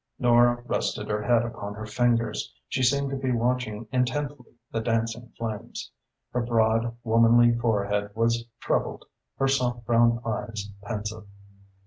Nora rested her head upon her fingers. She seemed to be watching intently the dancing flames. Her broad, womanly forehead was troubled, her soft brown eyes pensive.